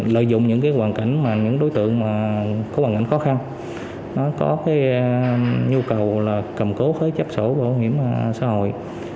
lợi dụng những đối tượng có hoàn cảnh khó khăn có nhu cầu cầm cố khởi chấp sổ bảo hiểm xã hội